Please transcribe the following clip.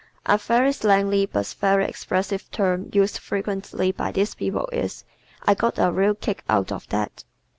A very slangy but very expressive term used frequently by these people is, "I got a real kick out of that."